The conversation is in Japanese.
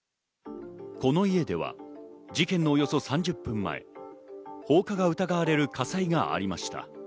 この家では事件のおよそ３０分前、放火が疑われる火災がありました。